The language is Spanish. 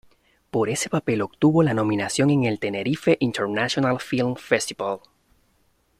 Por ese papel obtuvo la nominación en el Tenerife International Film Festival.